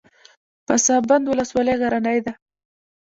پسابند ولسوالۍ غرنۍ ده؟